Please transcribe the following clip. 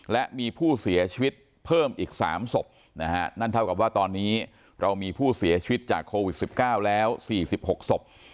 และมีผู้เสียชีวิตเพิ่มอีก๓ศพนะฮะนั่นเท่ากับว่าตอนนี้เรามีผู้เสียชีวิตจากโควิด๑๙แล้ว๔๖ศพ